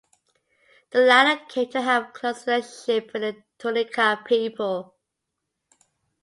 The latter came to have a close relationship with the Tunica people.